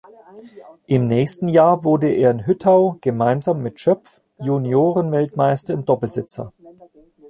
Im nächsten Jahr wurde er in Hüttau gemeinsam mit Schöpf Juniorenweltmeister im Doppelsitzer.